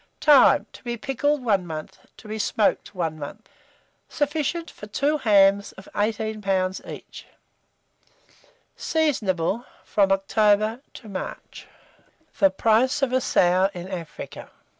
Time. To be pickled 1 month; to be smoked 1 month. Sufficient for 2 hams of 18 lbs. each. Seasonable from October to March. THE PRICE OF A SOW IN AFRICA.